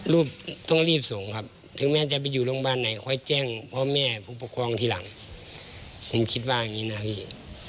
ต้องรีบส่งครับถึงแม่จะไปอยู่โรงพยาบาลไหนค่อยแจ้งพ่อแม่ผู้ปกครองทีหลังผมคิดว่าอย่างนี้นะครับพี่